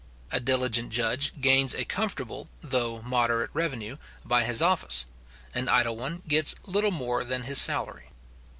A diligent judge gains a comfortable, though moderate revenue, by his office; an idle one gets little more than his salary.